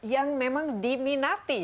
yang memang diminati